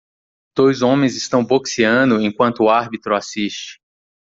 Dois homens estão boxeando enquanto o árbitro assiste.